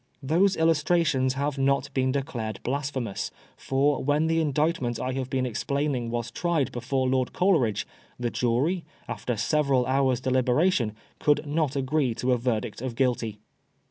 Those illustrations have not been declared blasphemous, for when the Indictment I have been ex plaining was tried before Lord Coleridge, the jury, after several hours' deliberation, could not agree to a verdict of Guilty.